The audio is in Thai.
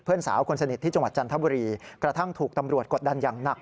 สาวคนสนิทที่จังหวัดจันทบุรีกระทั่งถูกตำรวจกดดันอย่างหนัก